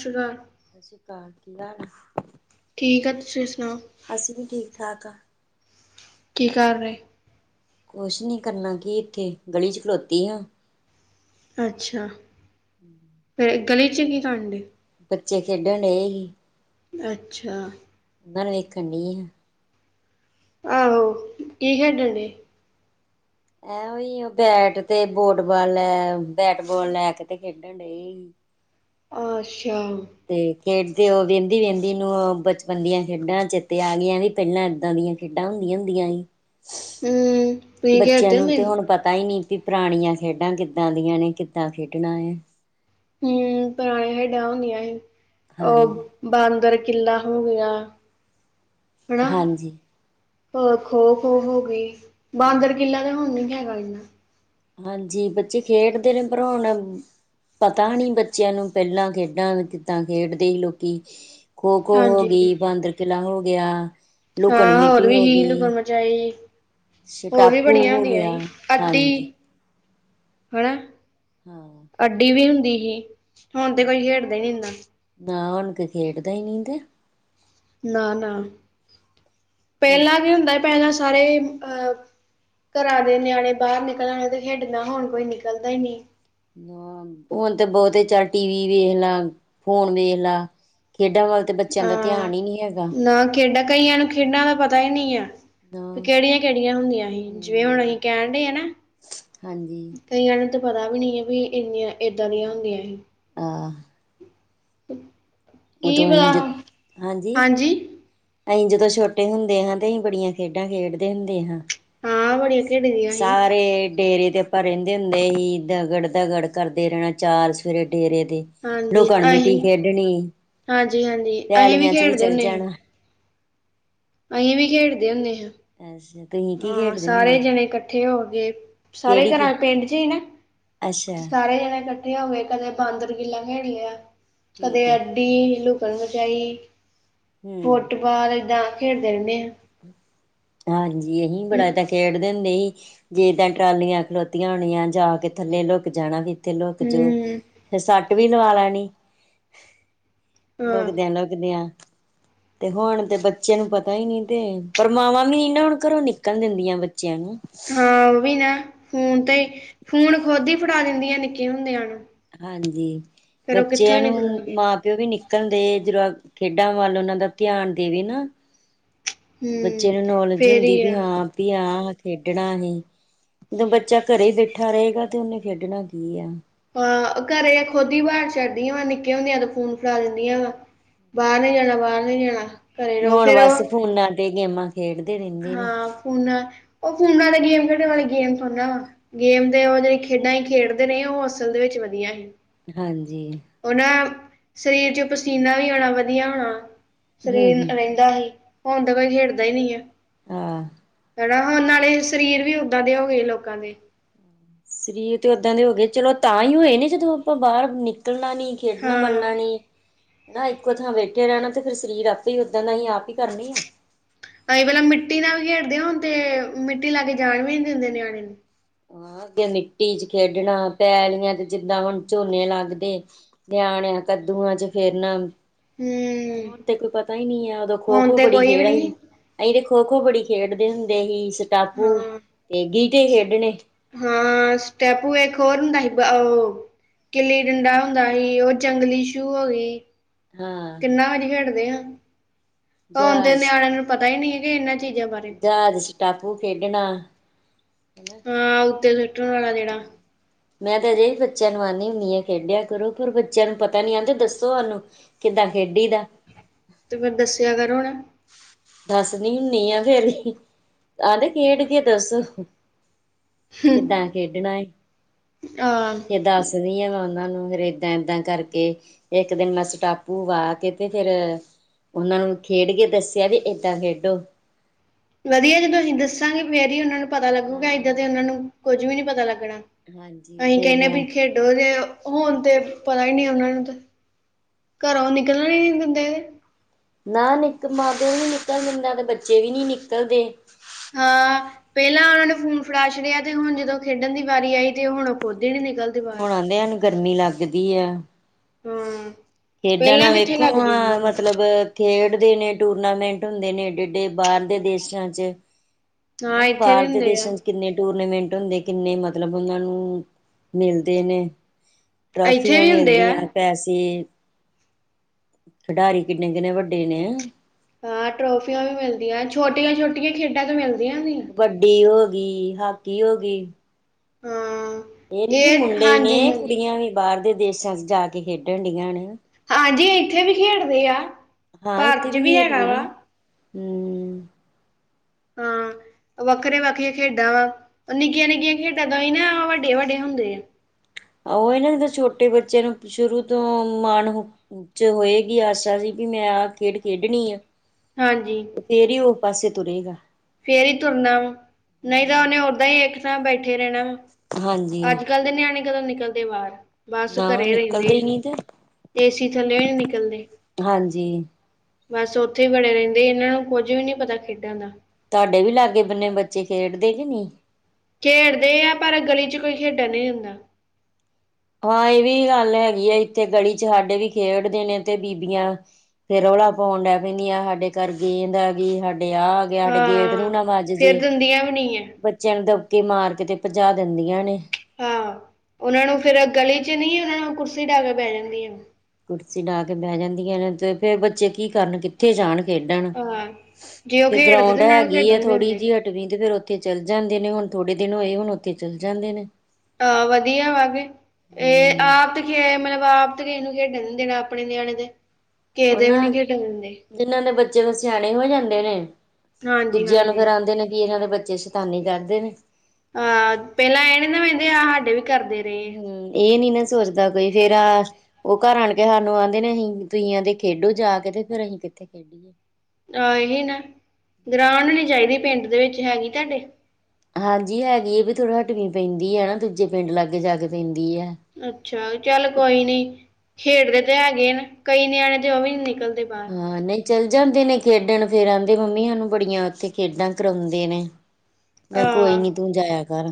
ਸ਼੍ਰੀ ਅਕਾਲ ਸ੍ਰੀ ਅਕਾਲ ਕੀ ਹਾਲ ਆ। ਠੀਕ ਆ ਤੁਸੀਂ ਸੁਣਾਓ। ਅਸੀਂ ਵੀ ਠੀਕ ਠਾਕ ਹਾਂ। ਕੀ ਕਰ ਰਹੇ। ਕੁਛ ਨੀ ਕਰਨਾ ਕੀ ਇੱਥੇ ਗਲੀ 'ਚ ਖਲੋਤੀ ਆਂ। ਅੱਛਾ ਹਮ ਫੇ ਗਲੀ 'ਚ ਕੀ ਕਰਨ ਡੀ ਬੱਚੇ ਖੇਡਣ ਢੇਹੇ ਹੀ। ਅੱਛਾ ਬਾਹਰ ਵੇਖਣ ਡਈ ਆਂ। ਆਹੋ ਕੀ ਖੇਡਣਡੇ ਐਵੇ ਈ ਓ ਬੈਟ ਤੇ ਬੋਟਬਾਲ ਲੈ, ਬੈਟਬਾਲ ਲੈ ਕੇ ਤੇ ਖੇਡਣ ਡੇਹੀ। ਅੱਛਾ ਤੇ ਖੇਡਦੇ ਓ ਵੇਂਦੀ-ਵੇਂਦੀ ਨੂੰ ਬਚਪਨ ਦੀਆਂ ਖੇਡਾਂ ਚੇਤੇ ਆ ਗਈਆਂ ਵੀ ਪੈਲਾਂ ਏਦਾਂ ਦੀਆਂ ਖੇਡਾਂ ਹੁੰਦੀਆਂ-ਹੁੰਦੀਆਂ ਈ ਤੁਸੀਂ ਬੱਚਿਆਂ ਖੇਡਦੇ ਨੂੰ ਹੁੰਦੇ ਤੇ ਹੁਣ ਪਤਾ ਈ ਨੀ ਵੀ ਪੁਰਾਣੀਆਂ ਖੇਡਾਂ ਕਿੱਦਾਂ ਦੀਆਂ ਨੇ, ਕਿੱਦਾਂ ਖੇਡਣਾ ਐ। ਹੂੰ, ਤਾਈ ਖੇਡਾਂ ਹੁੰਦੀਆਂ ਈ ਹਾਂਜੀ ਅ ਬਾਂਦਰ ਕਿੱਲਾ ਹੋ ਗਿਆ ਹੈਨਾ ਹਾਂਜੀ ਹੋਰ ਖੋ-ਖੋ ਹੋ ਗਈ, ਹਾਂਜੀ ਬਾਂਦਰ ਕਿੱਲਾ ਤੇ ਹੁਣ ਵੀ ਹੈਗਾ ਜੇ। ਹਾਂਜੀ, ਬੱਚੇ ਖੇਡਦੇ ਨੇ ਪਰ ਹੁਣ ਪਤਾ ਨੀ ਬੱਚਿਆਂ ਨੂੰ ਪੈਲਾਂ ਖੇਡਾਂ ਕਿੱਦਾਂ ਖੇਡਦੇ ਸੀ ਲੋਕੀ ਖੋ-ਖੋ ਹੋ ਹਾਂਜੀ ਗਈ ਬਾਂਦਰ ਕਿਲਾ ਹੋ ਗਿਆ ਲੁਕਣ ਹਾਂ, ਹੋਰ ਮੀਟੀ ਵੀ ਹੋ ਹੀ ਗਈ ਲੁਕਣ ਮਚਾਈ ਹੋਰ ਵੀ ਸਟਾਪੂ ਬੜੀਆਂ ਹੋ ਹੁੰਦੀਆਂ ਗਿਆ ਹੀ ਅੱਡੀ ਹਾਂਜੀ ਹੈਨਾ ਹਾਂ। ਅੱਡੀ ਵੀ ਹੁੰਦੀ ਹੀ ਹੁਣ ਤੇ ਕੋਈ ਖੇਡਦਾ ਈ ਨੀ ਹੁੰਦਾ। ਨਾ ਹੁਣ ਤੇ ਖੇਡਦਾ ਈ ਨੀ ਤੇ। ਨਾ-ਨਾ, ਹੁਣ ਪੈਲਾਂ ਵੀ ਹੁੰਦਾ ਪੈਲਾ ਸਾਰੇ ਅਹ ਘਰਾਂ ਦੇ ਨਿਆਣੇ ਬਾਰ ਨਿਕਲਣਗੇ ਤੇ ਖੇਡਣਾ ਹੁਣ ਕੋਈ ਨਿਕਲਦਾ ਈ ਨਈ। ਹ ਹੁਣ ਤੇ ਬੌਤੇ ਚੱਲ ਟੀ ਵੀ ਵੇਖ ਲਾ, ਫੋਨ ਵੇਖ ਲਾ। ਖੇਡਾਂ ਵੱਲ ਤਾਂ ਬੱਚਿਆਂ ਦਾ ਹਾਂ। ਧਿਆਨ ਈ ਨੀ ਹੈਗਾ। ਨਾ ਖੇਡਾਂ ਕਈਆਂ ਨੂੰ ਖੇਡਾਂ ਦਾ ਪਤਾ ਈ ਨੀ ਐ। ਹਾਂ ਕੇੜੀਆਂ-ਕੇੜੀਆਂ ਹੁੰਦੀਆਂ ਹੀ ਜਿਵੇਂ ਹੁਣ ਅਸੀਂ ਹਮ ਕਹਿਣਡੇ ਆ ਨਾ। ਹਾਂਜੀ ਕਈਆ ਨੂੰ ਤਾਂ ਪਤਾ ਵੀ ਨਈ ਵੀ ਇੰਨੀਆਂ ਇੱਦਾਂ ਦੀਆਂ ਹੁੰਦੀਆਂ ਹੀ। ਆਂ। ਕੀ ਉਦੋਂ ਅਸੀਂ ਪਤਾ ਜ ਹਾਂਜੀ। ਅਹੀ ਜਦੋਂ ਛੋਟੇ ਹੁੰਦੇ ਹਾਂ ਤੇ ਅਸੀਂ ਬੜੀਆਂ ਖੇਡਾਂ ਖੇਡਦੇ ਹੁੰਦੇ ਹਾਂ। ਹਾਂ ਬੜੀਆਂ ਖੇਡਦੀਆਂ ਸੀ। ਸਾਰੇ ਡੇਰੇ ਦੇ ਪਰ ਰੈਂਦੇ ਹੁੰਦੇ ਹੀ ਦਗੜ-ਦਗੜ ਕਰਦੇ ਰੈਣਾ ਚਾਰ ਸ਼ਫੇਰੇ ਡੇਰੇ ਦੇ। ਹਾਂਜੀ ਲੂਕਣ ਮਿੱਟੀ ਅਸੀਂ ਖੇਡਣੀ। ਹਾਂਜੀ-ਹਾਂਜੀ ਅਹੀ ਵੀ ਪੈਲੀਆਂ ਚ ਖੇਡਦੇ ਚੱਲ ਹੁਣੇ ਆ। ਜਾਣਾ ਅਹੀ ਵੀ ਖੇਡਦੇ ਹੁਣੇ ਆ। [unintelligible] ਹਾਂ, ਖੇਡਦੇ ਸਾਰੇ ਹੁੰਦੇ ਜਣੇ ਕੱਠੇ ਹੋ ਕੇ, ਸਾਰੇ ਕਿਹੜੀ ਕੀ ਘਰਾਂ ਪਿੰਡ ਚ ਈ ਨਾ। ਅੱਛਾ ਸਾਰੇ ਜਾਣੇ ਕੱਠੇ ਹੋ ਕੇ ਕਦੇ ਬਾਂਦਰ ਗਿੱਲਾ ਖੇਡ ਲਿਆ ਕਦੇ ਠੀਕ ਹੈ ਟੀ ਲੁਕਣ ਮਚਾਈ, ਹਮ ਫੁੱਟਬਾਲ ਏਦਾਂ ਖੇਡਦੇ ਰੈਨੇ ਆ। ਹਾਂਜੀ, ਅਹੀ ਵੀ ਬੜਾ ਏਦਾ ਖੇਡਦੇ ਹੁੰਦੇ ਸੀ ਜੇ ਤਾਂ ਟਰਾਲੀਆਂ ਖਲੋ ਤੀਆਂ ਹੋਣੀਆਂ ਜਾ ਕੇ ਥੱਲੇ ਲੁੱਕ ਜਾਣਾ ਵੀ- ਤੇ ਲੋਕ ਜੋ ਹਮ ਫਿਰ ਸੱਟ ਵੀ ਲਵਾ ਲੈਣੀ। ਹਾਂ ਲੁਕਦਿਆਂ, ਲੁਕਦਿਆਂ ਤੇ ਹੁਣ ਤੇ ਬੱਚਿਆਂ ਨੂੰ ਪਤਾ ਈ ਨੀ ਤੇ। ਪਰ ਮਾਵਾਂ ਵੀ ਨੀ ਨਾ ਹੁਣ ਘਰੋਂ ਨਿਕਲਨ ਦਿੰਦੀਆਂ ਬੱਚਿਆਂ ਨੂੰ। ਹਾਂ, ਓ ਵੀ ਨਾ, ਹੁਣ ਤੇ ਫੋਣ ਖੁਦ ਈ ਫੜਾ ਦਿੰਦੀਆਂ ਨਿੱਕੇ ਹੁੰਦਿਆਂ ਨੂੰ। ਹਾਂਜੀ, ਫੇਰ ਉਹ ਕਿੱਥੋਂ ਬੱਚਿਆਂ ਹੀ ਨੂੰ ਨਿਕਲਣਗੇ ਮਾਂ ਪਿਓ ਵੀ ਨਿਕਲਦੇ ਜਦੋਂ ਖੇਡਾਂ ਵੱਲ ਉਨਾਂ ਦਾ ਧਿਆਨ ਦੇਵੇ ਨਾ ਹਮ ਬੱਚੇ ਨੂੰ ਨੌਲੇਜ ਫੇਰ ਹੁੰਦੀ ਹੀ ਵੀ ਆ ਹਾਂ ਵੀ ਆ ਖੇਡਣਾ ਅਹੀ। ਜਦੋਂ ਬੱਚਾ ਘਰੇ ਈ ਬੈਠਾ ਰਏਗਾ ਤੇ ਉਨੇ ਖੇਡਣਾ ਕੀ ਆ। ਹਾਂ, ਘਰੇ ਏ ਖੁਦ ਹੀ ਬਾ ਛਡਦੀਆਂ ਵਾ, ਨਿੱਕੇ ਹੁੰਦੀਆਂ ਤੇ ਫੋਨ ਫੜਾ ਦਿੰਦੀਆਂ ਵਾ। ਬਾਰ ਨਈ ਜਾਣਾ, ਬਾਰ ਨਈ ਜਾਣਾ ਘਰੇ ਰੋ ਹੁਣ ਫੇਰ ਓ ਬਸ ਫੋਨਾਂ ਤੇ ਗੇਮਾਂ ਖੇਡਦੇ ਰੈਂਦੇ ਨੇ। ਫੋਨਾ, ਓ ਫੋਨਾ ਤੇ ਗੇਮ ਖੇਡਣ ਵਾਲੇ ਗੇਮ ਥੋੜੀ ਨਾ ਵਾ। ਗੇਮ ਦੇ ਉਹ ਜਿਹੜੇ ਖੇਡਾਂ ਹੀ ਖੇਡਦੇ ਨੇ ਉਹ ਅਸਲ ਦੇ ਵਿੱਚ ਵਧੀਆ ਹੀ। ਹਾਂਜੀ। ਉਹਨਾਂ ਸਰੀਰ ਚ ਪਸੀਨਾ ਵੀ ਆਉਣਾ ਵਧੀਆ ਹੋਣਾ। ਹੂੰ ਸਰੀਰ ਹੂੰ ਰਹਿੰਦਾ ਨਹੀਂ ਹੁਣ ਤਾਂ ਕੋਈ ਖੇਡਦਾ ਹੀ ਨਹੀਂ ਹੈ। ਹਾਂ। ਹਨਾ ਹੁਣ ਨਾਲੇ ਸਰੀਰ ਵੀ ਉਦਾਂ ਦੇ ਹੋ ਗਏ ਲੋਕਾਂ ਦੇ। ਸਰੀਰ ਤੇ ਉਦਾਂ ਦੇ ਹੋ ਗਏ ਚਲੋ ਤਾਂ ਹੀ ਹੋਏ ਨੇ ਜਦੋਂ ਆਪਾਂ ਬਾਹਰ ਨਿਕਲਣਾ ਨੀ। ਖੇਡਣਾ ਹਾਂ। ਮੱਲਣਾ ਨਹੀ। ਹਨ ਨਾ ਇੱਕੋ ਥਾਂ ਬੈਠੇ ਰਹਿਣਾ ਤੇ ਫਿਰ ਸਰੀਰ ਆਪੇ ਹੀ ਓਦਾਂ ਦਾ ਹੀ ਆਪ ਹੀ ਕਰਨੀ ਆ। ਅਸੀਂ ਪਹਿਲਾਂ ਮਿੱਟੀ ਨਾਲ ਖੇਡਦੇ ਹੁਣ ਤੇ ਮਿੱਟੀ ਲਾ ਕੇ ਜਾਣ ਵੀ ਨੀ ਦਿੰਦੇ ਨਿਆਣੇ ਨੂੰ। ਹਾਂ ਅੱਗੇ ਮਿੱਟੀ ਚ ਖੇਡਣਾ ਪੈਲੀਆਂ ਤੇ ਜਿੱਦਾਂ ਹੁਣ ਝੋਨੇ ਲੱਗਦੇ। ਨਿਆਣਿਆਂ ਕੱਦੂਆਂ ਚ ਫਿਰਣਾ। ਹਮ। ਤੇ ਹੁਣ ਤੇ ਕੋਈ ਪਤਾ ਹੀ ਨਹੀਂ ਹੈ ਉਦੋਂ ਖੋ ਖੋ ਬੜੀ ਕੋਈ ਵੀ ਖੇਡ ਸੀ। ਨੀ ਅਸੀਂ ਤੇ ਖੋ ਖੋ ਬੜੀ ਖੇਡਦੇ ਹੁੰਦੇ ਸੀ ਸਟਾਪੂ ਹਾਂ। ਤੇ ਗੀਟੇ ਖੇਡਣੇ ਹਾਂ ਸਟੈਪੂ ਇੱਕ ਹੋਰ ੳਹਦਾ ਕਿਲੀ ਡੰਡਾ ਹੁੰਦਾ ਸੀ ਉਹ ਜੰਗਲੀ ਸੂ ਹੋ ਗਈ। ਹਾਂ ਕਿੰਨਾ ਵਾਰੀ ਖੇਡਦੇ ਆ ਹੁਣ ਤੇ ਜਹਾਜ਼ ਨਿਆਣਿਆਂ ਨੂੰ ਪਤਾ ਹੀ ਨਹੀਂ ਕਿ ਇਹਨਾਂ ਚੀਜ਼ਾਂ ਬਾਰੇ [unintelligible] ਸਟਾਪੂ ਖੇਡਣਾ। ਹਾਂ ਉੱਤੇ ਸਟਣ ਵਾਲਾ ਜਿਹੜਾ ਮੈਂ ਤਾਂ ਅਜੇ ਵੀ ਬੱਚਿਆਂ ਨੂੰ ਆਉਂਦੀ ਹੁੰਦੀ ਹਾਂ ਖੇਡਿਆ ਕਰੋ ਪਰ ਬੱਚਿਆਂ ਨੂੰ ਪਤਾ ਨੀ ਆਉਂਦਾ ਦੱਸੋ ਉਹਨੂੰ ਕਿੱਦਾਂ ਖੇਡੀ ਦਾ ਅਤੇ ਫਿਰ ਦੱਸਿਆ ਕਰੋ ਨਾ ਦੱਸਣੀ ਹੁੰਦੀ ਆ ਫੇਿਰ ਆਹਦੇ ਖੇਡਕੇ ਦੱਸੋ? ਕਿੱਦਾਂ ਖੇਡਣਾ ਹਾਂ। ਕਿਦਾਂ ਦੱਸਦੀ ਹਾਂ ਮੈਂ ਉਹਨਾਂ ਨੂੰ ਫਿਰ ਇੱਦਾਂ ਇੱਦਾਂ ਕਰਕੇ ਇੱਕ ਦਿਨ ਮੈਂ ਸਟਾਪੂ ਆ ਕੇ ਤੇ ਫੇਿਰ ਉਹਨਾਂ ਨੂੰ ਖੇਡ ਕੇ ਦੱਸਿਆ ਵੀ ਏਦਾਂ ਖੇਡੋ ਵਧੀਆ ਜੇੋਂ ਤੁਸੀਂ ਦੱਸਾਂਗੇ ਫੇਰ ਹੀ ਉਹਨਾਂ ਨੂੰ ਪਤਾ ਲੱਗੂਗਾ ਇੱਦਾਂ ਹਾਂ ਤੇ ਉਹ ਨੂੰ ਕੁੱਝ ਵੀ ਨੀ ਪਤਾ ਲੱਗਣਾ। ਹਾਂਜੀ ਅਸੀਂ ਫੇਰ ਕਹਿੰਦੇ ਮੈਂ ਵੀ ਖੇਡ ਜ ਹੋਣ ਤੇ ਪਤਾ ਹੀ ਨਹੀ ਉਹਨਾਂ ਨੂੰ ਤੇ ਘਰੋ ਨਿਕਲਣਾ ਨਹੀ ਦਿਦੇ ਨਾ [unintelligible] ਵੀ ਨਹੀਂ ਨਿਕਲਦੇ ਨਾ ਤਾਂ ਬੱਚੇ ਵੀ ਨਹੀਂ ਨਿਕਲਦੇ ਹਾਂ ਪਹਿਲਾਂ ਉਹਨਾਂ ਨੇ ਫੋਨ ਫੜਾ ਛੜਿਆ ਤੇ ਹੁਣ ਜਦੋਂ ਖੇਡਣ ਦੀ ਵਾਰੀ ਆਈ ਤੇ ਉਹ ਹੁਣ ਖੁਦ ਹੀ ਨੀ ਨਿਕਲ ਹੁਣ ਆਂਦੇ ਨੂੰ ਗਰਮੀ ਲੱਗਦੀ ਹੈ। ਹਾਂ, ਖੇਡਾਂ ਪਹਿਲਾਂ ਨਾਲ ਕਿੱਥੇ ਵੇਖੋ ਲੱਗਦੀ ਸੀ ਮੈਨੂੰ, ਮਤਲਬ ਖੇਡਦੇ ਨੇ ਟੂਰਨਾਮੈਂਟ ਹੁੰਦੇ ਨੇ ਏਡੇ ਏਡੇ ਬਾਹਰ ਦੇ ਦੇਸਾਂ 'ਚ ਹਾਂ ਹਨਾ ਇੱਥੇ ਵੀ ਬਾਹਰ ਦੇ ਹੁੰਦੇ ਆ। ਦੇਸਾਂ ਚ ਕਿੰਨੇ ਟੂਰਨਾਮੈਂਟ ਹੁੰਦੇ ਕਿੰਨੇ ਮਤਲਬ ਉਹਨਾਂ ਨੂੰ ਮਿਲਦੇ ਨੇ ਇੱਥੇ ਟਰਾਫੀਆਂ ਵੀ ਹੁੰਦੇ ਆ, ਮਿਲਦੀਆਂ। ਪੈਸੇ ਖਿਡਾਰੀ ਕਿੰਨੇ, ਕਿੰਨੇ ਵੱਡੇ ਨੇ ਹਾਂ ਟਰੋਫੀਆਂ ਵੀ ਮਿਲਦੀਆਂ ਛੋਟੀਆਂ ਛੋਟੀਆਂ ਖੇਡਾਂ ਤੇ ਮਿਲਦੀਆਂ ਨੇ ਕਬੱਡੀ ਹੋ ਗਈ ਹਾਕੀ ਹੋ ਗਈ। ਹਾਂ, ਇਹ ਨੀ ਵੀ ਮੁੰਡੇ ਹੀ ਨੇ ਹਾਂਜੀ-ਹਾਂਜੀ। ਕੁੜੀਆਂ ਵੀ ਬਾਹਰ ਦੇ ਦੇਸਾਂ ਚ ਜਾ ਕੇ ਖੇਡਣ ਡੀਆਂ ਨੇ ਹਾਂਜੀ ਇੱਥੇ ਵੀ ਖੇਡਦੇ ਆ ਪਾਰਕ ਚ ਵੀ ਹੈਗਾ ਵਾ ਹੁ ਹਾਂ ਵੱਖਰੇਆਂ ਵੱਖਰੀਆਂ ਖੇਡਾਂ ਵਾ ਨਿੱਕੀਆਂ ਨਿੱਕੀਆਂ ਖੇਡਾਂ ਤਾਂ ਹੀ ਨਾ ਵੱਡੇ, ਵੱਡੇ ਹੁੰਦੇ ਆ। ਆ ਉਹ ਇਹਨਾਂ ਨੇ ਤਾਂ ਛੋਟੇ ਬੱਚਿਆਂ ਨੂੰ ਸ਼ੁਰੂ ਤੋਂ ਮਾਣ ਚ ਹੋਏਗੀ ਆਸਾ ਸੀ ਕਿ ਮੈਂ ਆਹ ਖੇਡ ਖੇਡਣੀ ਆ। ਹਾਂਜੀ। ਫਿਰ ਹੀ ਉਹ ਪਾਸੇ ਤੁਰਹੇਗਾ। ਫੇਰ ਹੀ ਤੁਰਨਾ ਵਾ, ਨਈ ਤਾਂ ਉਹਨੇ ਉਦਾਂ ਹੀ ਇੱਕ ਥਾਂ ਬੈਠੇ ਰਹਿਣਾ ਵਾ ਹਾਂਜੀ ਅੱਜ-ਕੱਲ ਦੇ ਨਿਆਣੇ ਕਦੋਂ ਨਿਕਲਦੇ ਬਾਹਰ ਬਸ ਨਾ ਘਰੇ ਰਹਿੰਦੇ, ਨਿਕਲਦੇ ਹੀ ਨਹੀਂ ਤੇ ਏਸੀ ਥੱਲੇ ਨੀ ਨਿਕਲਦੇ ਹਾਂਜੀ ਬਸ ਉੱਥੇ ਹੀ ਵੜੇ ਰਹਿੰਦੇ ਇਹਨਾਂ ਨੂੰ ਕੁੱਝ ਵੀ ਨੀ ਪਤਾ ਖੇਡਾਂ ਦਾ ਤੁਹਾਡੇ ਵੀ ਲਾਗੇ ਬੰਨੇ ਬੱਚੇ ਖੇਡਦੇ ਕਿ ਨੀ ਖੇਡਦੇ ਆ ਪਰ ਗਲੀ ਚ ਕੋਈ ਖੇਡਣ ਨਹੀਂ ਦੇਦਾ। ਹਾਂ ਇਹ ਵੀ ਗੱਲ ਹੈਗੀ ਆ, ਇੱਥੇ ਗਲੀ ਚ ਸਾਡੇ ਵੀ ਖੇਡਦੇ ਨੇ ਤੇ ਬੀਬੀਆਂ ਫੇਰ ਰੌਲਾ ਪਾਉਣ ਡੈ ਪੈਂਦੀ ਆ, ਸਾਡੇ ਘਰ ਗੇਦ ਆ ਗਈ, ਸਾਡੇ ਆ ਸਾਡੇ ਗੇਟ ਨੂੰ ਹਾਂ ਨਾ ਵੱਜ ਜੇ ਫਿਰ ਦਿੰਦੀਆਂ ਵੀ ਨਹੀਂ ਹੈ ਬੱਚਿਆਂ ਨੂੰ ਦਬਕਾ ਮਾਰ ਕੇ ਤੇ ਭਜਾ ਦਿੰਦੀਆਂ ਨੇ ਹਾਂ, ਉਹਨਾਂ ਨੂੰ ਫੇਰ ਗਲੀ ਚ ਨੀ ਉਹ ਨੂੰ ਕੁਰਸੀ ਢਾਹ ਕੇ ਬੈਹ ਜਾਂਦੀ ਆ। ਕੁਰਸੀ ਡਾ ਕੇ ਬਹਿ ਜਾਂਦੀਆਂ ਨੇ ਤੇ ਫੇਰ ਬੱਚੇ ਕੀ ਕਰਨਗੇ। ਉੱਥੇ ਜਾਣ ਖੇਡਣ, ਹਾਂ ਜੇ ਉਹ ਫਿਰ ਖੇਡਦੇ ਗਰਾਉਂਡ ਤੇ ਉਹਨਾਂ ਨੂੰ ਹੈਗੀ ਖੇਡਣ ਨਹੀਂ ਥੋੜੀ ਦਿੰਦੇ ਜਿਹੀ ਤੇ ਫੇਰ ਉੱਥੇ ਚੱਲ ਜਾਂਦੇ ਨੇ, ਹੁਣ ਥੋੜੇ ਦਿਨ ਹੋਏ ਹੁਣ ਉੱਥੇ ਚੱਲ ਜਾਂਦੇ ਨੇ। ਹਾਂ ਵਧੀਆ ਵਾ ਕੇ, ਇਹ ਹਮ ਆਪ ਮਤਲਬ ਆਪ ਤਾਂ ਕਿਸੇ ਨੂੰ ਖੇਡਣ ਨੀ ਦੇਣਾ ਆਪਣੇ ਨਿਆਣੇ ਦੇ ਕਿਸੇ ਉਹ ਵੀ ਨਾ ਨੀ ਖੇਡਣ ਦਿੰਦੇ ਜਿੰਨਾਂ ਦੇ ਬੱਚੇ ਸਿਆਣੇ ਹੋ ਜਾਂਦੇ ਨੇ। ਹਾਂਜੀ ਦੂਜਿਆਂ ਨੂੰ ਹਾਂਜੀ ਫੇਰ ਆਦੇ ਨੇ ਕਿ ਇਹਨਾਂ ਦੇ ਬੱਚੇ ਸ਼ੈਤਾਨੀ ਕਰਦੇ ਨੇ। ਅਹ! ਪਹਿਲਾਂ ਇਹਨ ਨਾ ਵਹਿੰਦੇ ਆਹ ਸਾਡੇ ਵੀ ਕਰਦੇ ਰਹੇ ਹਮ, ਇਹ ਨੀ ਨਾ ਸੋਚਦਾ ਕੋਈ ਫੇਰ ਆ ਉਹ ਘਰ ਆਣ ਕੇ ਸਾਨੂੰ ਆਹਂਦੇ ਨੇ ਅਸੀਂ ਤੁਸੀਂ ਆਦੇ ਖੇਡੋ ਜਾ ਕੇ ਤੇ ਫੇਰ ਅਸੀਂ ਕਿੱਥੇ ਖੇਡੀਏ? ਆਹ ਇਹੀ ਨਾ, ਗਰਾਂਡ ਹੋਣੀ ਚਾਹੀਦੀ ਪਿੰਡ ਦੇ ਵਿੱਚ, ਹੈਗੀ ਤੁਹਾਡੇ? ਹਾਂਜੀ। ਹੈਗੀ ਏ ਵੀ ਥੋੜਾ ਹਟਵੀ ਪੈਂਦੀ ਐ, ਨਾ ਦੂਜੇ ਪਿੰਡ ਲਾਗੇ ਜਾ ਕੇ ਪੈਂਦੀ ਆ। ਅੱਛਾ, ਚੱਲ ਕੋਈ ਨੀ ਖੇਡਦੇ ਤੇ ਹੈਗੇ ਨੇ, ਕਈ ਨਿਆਣੇ ਦੇ ਔਵੀ ਨਿਕਲਦੇ ਬਾਹਰ ਹਾਂ ਨਹੀਂ ਚੱਲ ਜਾਂਦੇ ਨੇ ਖੇਡਣ ਫੇਰ ਆਂਦੇ ਮੰਮੀ ਸਾਨੂੰ ਬੜੀਆਂ ਉੱਥੇ ਖੇਡਾਂ ਕਰਾਉਂਦੇ ਨੇ। ਮੈਂ ਕੋਈ ਆਹ, ਨੀ ਤੂੰ ਜਾਇਆ ਕਰ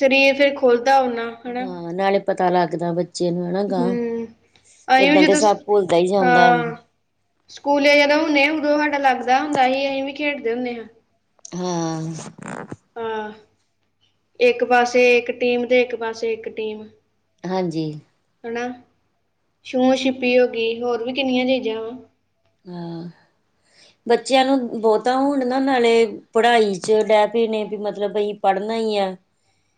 ਸਰੀਰ ਫੇਰ ਖੋਲਦਾ ਓਨਾ ਹਨਾ? ਹਾਂ ਨਾਲੇ ਪਤਾ ਲੱਗਦਾ ਬੱਚੇ ਨੂੰ ਹਨਾ ਗਾਂ, ਹੂੰ ਅਸੀਂ ਵੀ ਏਦਾਂ ਤੇ ਜਦੋਂ ਸਭ ਭੁੱਲਦਾ ਹੀ ਜਾਂਦਾ। ਹਾਂ ਸਕੂਲੇ ਜਦੋਂ ਹੁੰਣੇਆ ਉਦੋਂ ਹਾਡਾ ਲੱਗਦਾ ਹੁੰਦਾ ਸੀ, ਅਸੀਂ ਵੀ ਖੇਡਦੇ ਹੁੰਦੇ ਹਾਂ। ਹਾਂ। ਹਾਂ, ਇੱਕ ਪਾਸੇ ਇੱਕ ਟੀਮ ਤੇ ਇੱਕ ਪਾਸੇ ਇੱਕ ਟੀਮ। ਹਾਂਜੀ। ਹਨਾ, ਛੂੰਹ ਛਿਪੀ ਹੋ ਗਈ। ਹੋਰ ਵੀ ਕਿੰਨੀਆਂ ਚੀਜ਼ਾਂ। ਹਾਂ। ਬੱਚਿਆਂ ਨੂੰ ਬਹੁਤਾ ਹੁਣ ਨਾ ਨਾਲੇ ਪੜ੍ਹਾਈ ਚ ਡਹਿ ਪਏ ਨੇ ਵੀ ਮਤਲਬ ਅਸੀਂ ਪੜ੍ਹਨਾ ਹੀ ਏ।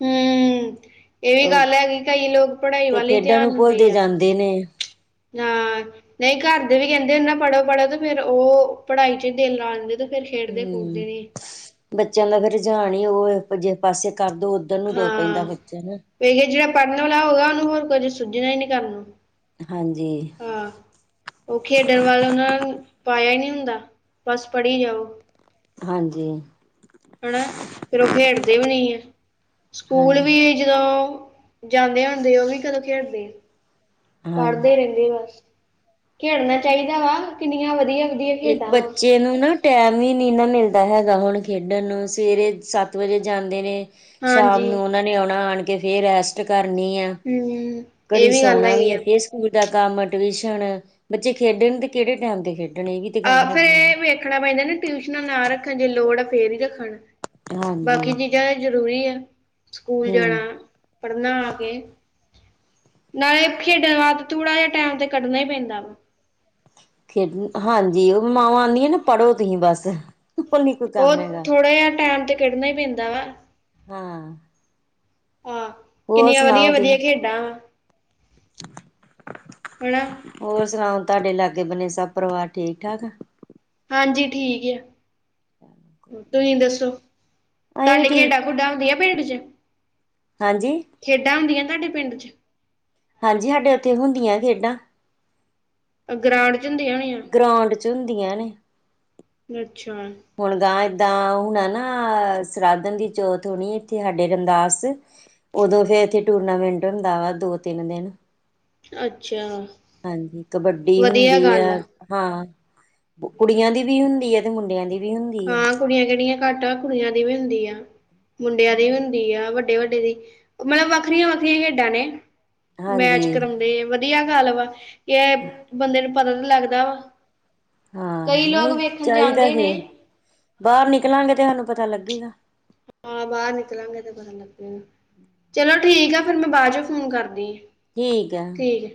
ਹਮ। ਇਹ ਵੀ ਗੱਲ ਹੇਗੀ ਕਿ ਕਈ ਲੋਕ ਪੜ੍ਹਾਈ ਤੇ ਵੱਲ ਹੀ ਖੇਡਾਂ ਨੂੰ ਧਿਆਨਦੇ ਭੁੱਲਦੇ ਆ। ਜਾਂਦੇ ਨੇ ਹਾਂ, ਨਹੀਂ ਘਰ ਦੇ ਵੀ ਕਹਿੰਦੇ ਨਾ ਪੜ੍ਹੋ-ਪੜ੍ਹੋ ਤੇ ਫੇਰ ਉਹ ਪੜ੍ਹਾਈ ਚ ਦਿਲ ਲਾ ਦਦੇ ਤੇ ਫੇਰ ਖੇਡਦੇ ਹਮ, ਖੂਡਦੇ ਨੀ। ਬੱਚਿਆਂ ਦਾ ਫੇਰ ਰੁਜਾਨ ਉਹ ਐ। ਜਿਸ ਪਾਸੇ ਕਰਦੋ ਉੱਧਰ ਨੂੰ ਤੁਰ ਪੈਂਦਾ ਬੱਚਿਆਂ ਨਾ। ਫੇਰ ਜਿਹੜਾ ਪੜ੍ਹਨ ਵਾਲਾ ਹੋਗਾ, ਉਹਨੂੰ ਹੋਰ ਕੁਦੇ ਸੁੱਝਣਾ ਹੀ ਨੀ ਕਰਨਾ ਨੂੰ। ਹਾਂਜੀ। ਹਾਂ। ਉਹ ਖੇਡਣ ਵੱਲ ਉਹਨਾਂ ਪਾਇਆ ਹੀ ਨਹੀਂ ਹੁੰਦਾ ਬਸ ਪੜ੍ਹੀ ਜਾਓ। ਹਾਂਜੀ। ਹਨਾ। ਫਿਰ ਉਹ ਖੇਡਦੇ ਵੀ ਨਹੀਂ ਐ,। ਸਕੂਲ ਵੀ ਹਾਂਜੀ ਜਦੋਂ ਜਾਂਦੇ ਹੁੰਦੇ, ਉਹ ਵੀ ਕਦੋਂ ਖੇਡਦੇ ਆ, ਹਾਂਜੀ ਪੜ੍ਹਦੇ ਰਹਿੰਦੇ ਬਸ ਖੇਡਣਾ ਚਾਹੀਦਾ ਵਾ, ਕਿੰਨੀਆਂ ਵਧੀਆ ਵਧੀਆ ਇੱਕ ਖੇਡਾਂ ਵਾ ਬੱਚੇ ਨੂੰ ਨਾ ਟਾਈਮ ਹੀ ਨਹੀਂ ਨਾ ਮਿਲਦਾ ਹੈਗਾ, ਹੁਣ ਖੇਡਣ ਨੂੰ ਸਵੇਰੇ ਸੱਤ ਵਜੇ ਜਾਂਦੇ ਨੇ। ਸ਼ਾਮ ਹਾਂਜੀ ਨੂੰ ਉਹਨਾ ਨੇ ਆਉਣਾ, ਆਣ ਕੇ ਫੇਰ ਰੈਸਟ ਕਰਨੀ ਆ। ਹਮ ਇਹ ਘੜੀ ਵੀ ਗੱਲ ਸੌਣਾ ਹੈਗੀ ਆ ਸਕੂਲ ਦਾ ਕੰਮ ਟਿਊਸ਼ਨ ਬੱਚੇ ਖੇਡਣ ਤੇ ਕਿਹੜੇ ਟਾਈਮ ਦੇ ਖੇਡਣ ਇਹ ਵੀ ਤੇ ਗੱਲ ਆਹ ਫੇਰ ਹੈਗੀ ਨੇ ਇਹ ਵੇਖਣਾ ਪੈਂਦਾ ਨਾ ਟਿਊਸ਼ਨਾਂ ਨਾ ਰੱਖਣ, ਜੇ ਲੋੜ ਫੇਰ ਹੀ ਰੱਖਣ। ਹਾਂਜੀ ਬਾਕੀ ਚੀਜ਼ਾਂ ਤਾਂ ਜ਼ਰੂਰੀ ਐ, ਸਕੂਲ ਹਮ ਜਾਣਾ। ਪੜ੍ਹਨਾ ਕੇ, ਨਾਲੇ ਖੇਡਣ ਵਾਸ ਥੂੜਾ ਜਿਹਾ ਟੈਮ ਤੇ ਕੱਢਣਾ ਹੀ ਪੈਂਦਾ ਵਾ ਡ ਹਾਂਜੀ, ਉਹ ਮਾਵਾਂ ਆਉਂਦੀਆਂ ਨੇ ਪੜ੍ਹੋ ਤੁਸੀਂ ਬਸ। ਕੋਲ ਨੀ ਕੋਈ ਉਹ ਕੰਮ ਹੈਗਾ ਥੋੜਾ ਜਿਹਾ ਟੈਮ ਤੇ ਕੱਢਣਾ ਹੀ ਪੈਂਦਾ ਵਾ। ਹਾਂ। ਹਾਂ, ਹੋਰ ਕਿੰਨੀਆਂ ਸੁਣਾਓ ਵਧੀਆ-ਵਧੀਆ ਤੁਸੀਂ ਖੇਡਾਂ ਵਾ। [inaudible] ਹਨਾ ਹੋਰ ਸੁਣਾਓ, ਤੁਹਾਡੇ ਲਾਗੇ ਬਣੇ ਸਭ ਪਰਿਵਾਰ ਠੀਕ ਠਾਕ। ਹਾਂਜੀ, ਠੀਕ ਆ। [unintelligible] ਤੁਸੀਂ ਦੱਸੋ, ਅਸੀਂ ਵੀ ਤੁਹਾਡੇ ਠੀਕ ਖੇਡਾਂ-ਖੁਡਾਂ ਹੁੰਦੀਆਂ ਪਿੰਡ ਚ। ਹਾਂਜੀ। ਖੇਡਾਂ ਹੁੰਦੀਆਂ ਤੁਹਾਡੇ ਪਿੰਡ ਚ? ਹਾਂਜੀ, ਸਾਡੇ ਉੱਥੇ ਹੁੰਦੀਆਂ ਖੇਡਾਂ। ਗਰਾਊਂਡ 'ਚ ਹੁੰਦੀਆਂ ਹੋਣੀਆਂ ਗਰਾਂਡ 'ਚ ਹੁੰਦੀਆਂ ਨੇ। ਅੱਛਾ ਹੁਣ ਗ ਏਦਾਂ ਹੁਣ ਨਾ ਸਰਾਧਾ ਦੀ ਚੌਥ ਹੋਣੀ ਇੱਥੇ ਸਾਡੇ ਰੰਦਾਸ ਤੇ, ਉਦੋਂ ਫੇਰ ਇੱਥੇ ਟੂਰਨਾਮੈਂਟ ਹੁੰਦਾ ਵਾ ਦੋ ਤਿੰਨ ਦਿਨ। ਅੱਛਾ। ਹਾਂਜੀ, ਕਬੱਡੀ ਹੁੰਦੀ ਵਧੀਆ ਆ, ਗੱਲ ਹਾਂ, ਕੁੜੀਆਂ ਦੀ ਵੀ ਹੁੰਦੀ ਹੈ ਤੇ ਮੁੰਡਿਆਂ ਦੀ ਵੀ ਹੁੰਦੀ ਆ। ਹਾਂ ਕੁੜੀਆਂ ਕਿਹੜੀਆਂ ਘੱਟ ਆ ਕੁੜੀਆਂ ਦੀ ਵੀ ਹੁੰਦੀ ਆ, ਮੁੰਡਿਆਂ ਦੀ ਵੀ ਹੁੰਦੀ ਦੀਆ ਆ ਵੱਡੇ ਵੱਡੇ ਦੀ ਮਤਲਬ ਵੱਖਰੀਆਂ ਵੱਖਰੀਆਂ ਖੇਡਾਂ ਨੇ, ਮੈਚ ਹਾਂਜੀ ਕਰਮ ਤੇ ਵਧੀਆ ਗੱਲ ਵਾ, ਇਹ ਬੰਦੇ ਨੂੰ ਪਤਾ ਤੇ ਲੱਗਦਾ ਵਾ। ਹਾਂ, ਕਈ ਨਹੀਂ ਲੋਕ ਵੇਖਣ ਚਾਹੀਦਾ ਜਾਂਦੇ ਨੇ ਹੀ, ਬਾਹਰ ਨਿਕਲਾਂਗੇ ਤੇ ਸਾਨੂੰ ਪਤਾ ਲੱਗੇਗਾ। ਹਾਂ, ਬਾਹਰ ਨਿਕਲਾਂਗੇ ਤੇ ਬਾਹ ਲੱ ਚਲੋ ਠੀਕ ਆ ਫੇਰ ਮੈਂ ਬਾਅਦ ਚੋਂ ਫੋਨ ਕਰਦੀ ਆ। ਠੀਕ ਆ। ਠੀਕ ਹੈ